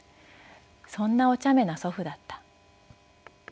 そんなおちゃめな祖父だった」。